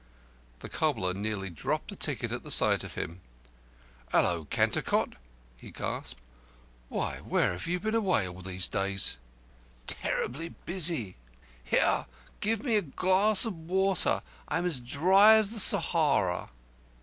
The cobbler nearly dropped the ticket at the sight of him. "Hallo, Cantercot!" he gasped. "Why, where have you been all these days?" "Terribly busy!" said Denzil. "Here, give me a glass of water. I'm dry as the Sahara."